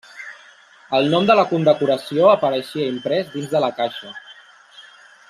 El nom de la condecoració apareixia imprès dins de la caixa.